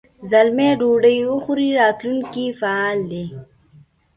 زلمی ډوډۍ وخوري راتلونکي مهال فعل دی.